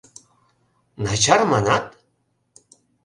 — Начар манат?